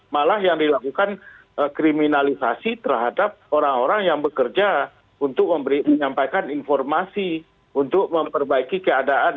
malah yang dilakukan kriminalisasi terhadap orang orang yang bekerja untuk menyampaikan informasi untuk memperbaiki keadaan